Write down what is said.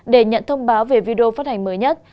để nhận thông báo về video phát hành mới nhất